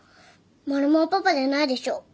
マルモはパパじゃないでしょ。